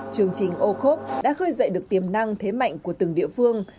chương trình ô khốp đã khơi dậy được tiềm năng thế mạnh của từng địa phương